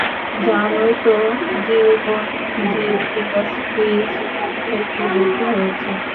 জানোই তো, জীবনজীব ইন্ডাস্ট্রিজ একীভূত হয়েছে।